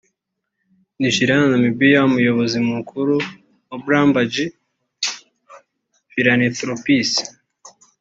Nigeria na Namibia; Umuyobozi Mukuru wa Bloomberg Philanthropies